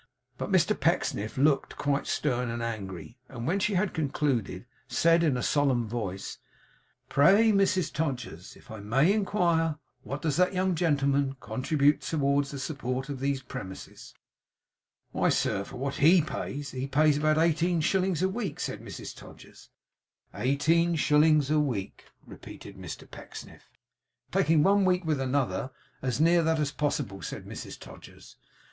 But Mr Pecksniff looked quite stern and angry; and when she had concluded, said in a solemn voice: 'Pray, Mrs Todgers, if I may inquire, what does that young gentleman contribute towards the support of these premises?' 'Why, sir, for what HE has, he pays about eighteen shillings a week!' said Mrs Todgers. 'Eighteen shillings a week!' repeated Mr Pecksniff. 'Taking one week with another; as near that as possible,' said Mrs Todgers.